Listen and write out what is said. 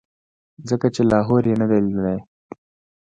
ځکه چې لاهور یې نه دی لیدلی.